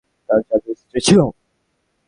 তাঁর চারজন স্ত্রী ছিল।